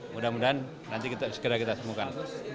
mudah mudahan nanti segera kita temukan